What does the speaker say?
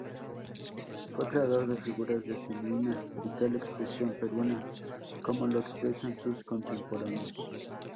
Fue creador de figuras de genuina vital expresión peruana, como lo expresan sus contemporáneos.